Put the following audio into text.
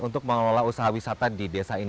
untuk mengelola usaha wisata di desa ini